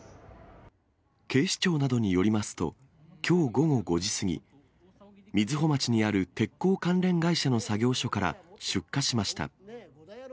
警視庁などによりますと、きょう午後５時過ぎ、瑞穂町にある鉄鋼関連会社の作業所から出火しました。